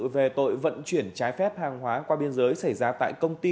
về tội vận chuyển trái phép hàng hóa qua biên giới